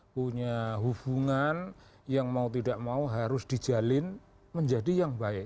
punya hubungan yang mau tidak mau harus dijalin menjadi yang baik